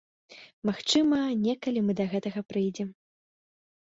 Магчыма, некалі мы да гэтага прыйдзем.